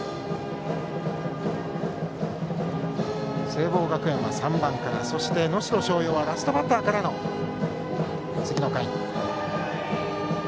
聖望学園は３番からそして能代松陽はラストバッターからの次の回。